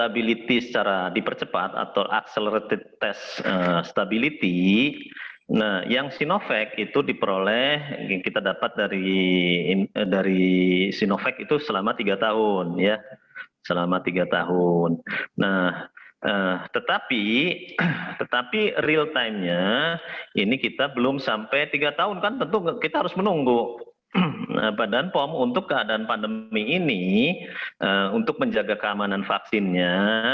badan pom untuk keadaan pandemi ini untuk menjaga keamanan vaksinnya